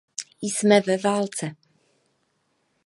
Jsme ve válce.